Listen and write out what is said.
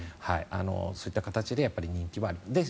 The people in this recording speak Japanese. そういった形で人気はあります。